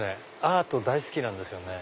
アート大好きなんですよね。